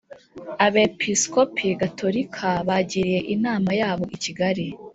abepiskopi gatolika bagiriye inama yabo i kigali,